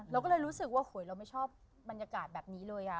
เราก็เลยรู้สึกว่าโหยเราไม่ชอบบรรยากาศแบบนี้เลย